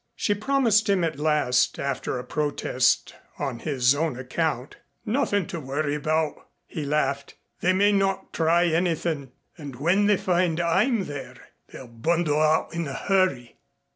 She promised him at last after a protest on his own account. "Nothin' to worry about," he laughed. "They may not try anythin', and when they find I'm there they'll bundle out in a hurry."